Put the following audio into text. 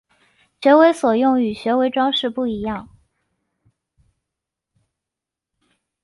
学为所用与学为‘装饰’不一样